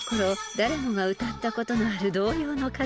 誰もが歌ったことのある童謡の数々］